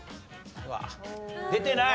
出てない。